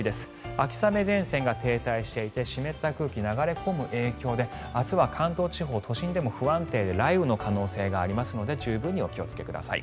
秋雨前線が停滞していて湿った空気が流れ込む影響で明日は関東地方都心でも不安定で雷雨の可能性がありますので十分にお気をつけください。